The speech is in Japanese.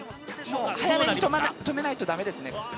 早めに止めないとだめですね。